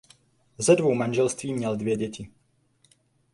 Ze dvou manželství měl dvě děti.